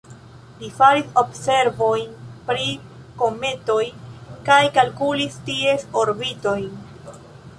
Li faris observojn pri kometoj kaj kalkulis ties orbitojn.